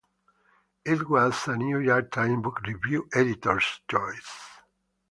It was a "New York Times Book Review" editors choice.